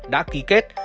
đã ký kết